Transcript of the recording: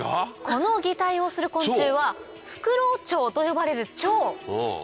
この擬態をする昆虫はフクロウチョウと呼ばれるチョウ